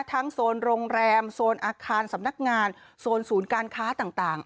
โซนโรงแรมโซนอาคารสำนักงานโซนศูนย์การค้าต่าง